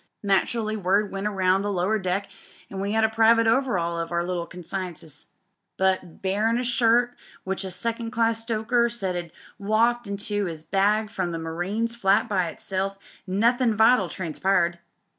Naturally, word went round the lower deck an' we had a private over'aul of our little consciences. But, barrin' a shirt which a second class stoker said 'ad walked into 'is bag from the marines flat by itself, nothin' vital transpired.